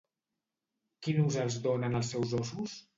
Quin ús els donen als seus ossos?